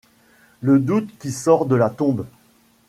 Le doute qui sort de la tombe